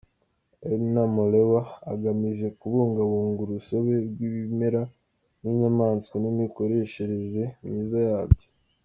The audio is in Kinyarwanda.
Edna Molewa, agamije kubungabunga urusobe rw’ibimera n’inyamaswa n’imikoreshereze myiza yabyo.